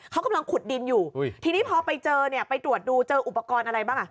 เขากำลังขุดดินอยู่ทีนี้พอไปเจอเนี่ยไปตรวจดูเจออุปกรณ์อะไรบ้างอ่ะ